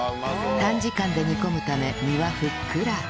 短時間で煮込むため身はふっくら